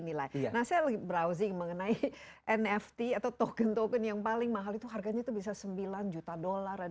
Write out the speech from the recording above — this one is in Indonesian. nilai nah saya browsing mengenai nft atau token token yang paling mahal itu harganya itu bisa sembilan juta dolar dan